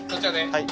はい。